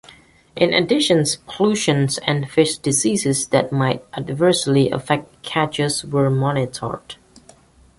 In addition pollution and fish diseases that might adversely affect catches were monitored.